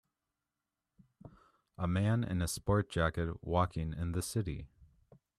A man in a sport jacket walking in the city.